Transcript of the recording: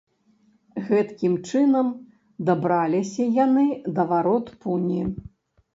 Гэткім чынам дабраліся яны да варот пуні.